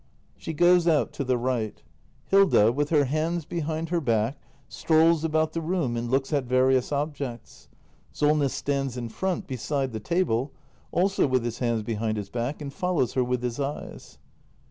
[She goes out to the right. [Hilda, with her hands behind her back, strolls about the room and looks at various objects. Solness stands in front, beside the table, also with his hands behind his back, and follows her with his eyes.